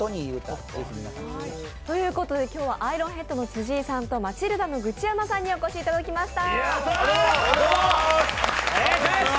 今日はアイロンヘッドの辻井さんとマチルダのグチヤマさんにお越しいただきました。